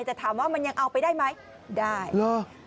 แต่ถามว่ามันยังเอาไปได้ไหมได้เหรอ